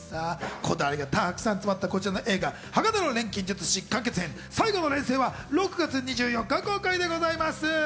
こだわりがたくさん詰まったこちらの映画『鋼の錬金術師完結編最後の錬成』は６月２４日公開でございます。